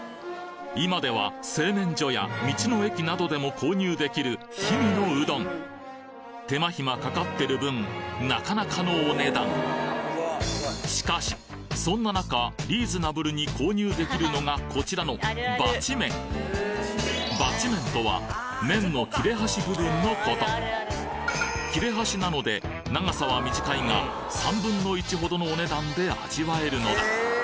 今では製麺所や道の駅などでも購入できる氷見のうどん手間暇かかってる分なかなかのお値段しかしそんな中リーズナブルに購入できるのがこちらのばち麺切れ端なので長さは短いが３分の１ほどのお値段で味わえるのだ